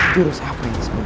jurus apa yang sebenarnya